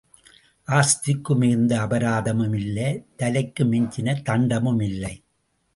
ஆஸ்திக்கு மிகுந்த அபராதமும் இல்லை தலைக்கு மிஞ்சின தண்டமும் இல்லை.